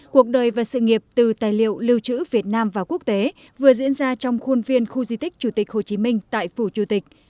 cuộc đời và sự nghiệp từ tài liệu lưu trữ việt nam và quốc tế vừa diễn ra trong khuôn viên khu di tích chủ tịch hồ chí minh tại phủ chủ tịch